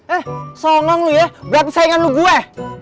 eh songong lu ya berarti saingan lu gue